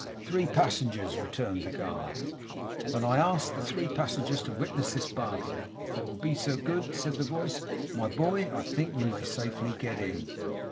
'Three passengers,' returned the guard. 'Then I ask the three passengers to witness this bargain, if they will be so good,' said the voice. 'My boy, I think we may safely get in.